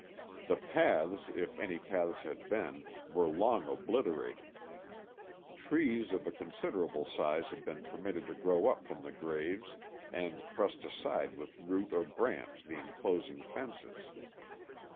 The paths, if any paths had been, were long obliterated; trees of a considerable size had been permitted to grow up from the graves and thrust aside with root or branch the inclosing fences.